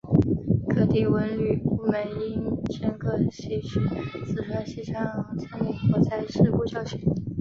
各地文旅部门应深刻吸取四川西昌森林火灾事故教训